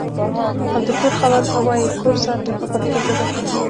او د کور خاوند ته وایي کور ساته په پښتو ژبه.